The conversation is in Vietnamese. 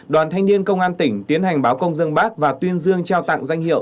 đoàn thanh niên công an tỉnh tiến hành báo công dân bác và tuyên dương trao tặng danh hiệu